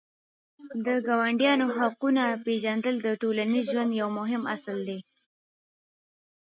د ګاونډیانو حقونه پېژندل د ټولنیز ژوند یو مهم اصل دی.